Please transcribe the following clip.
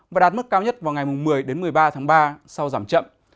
và đạt mức cao nhất vào ngày một mươi một mươi ba tháng ba sau giảm chậm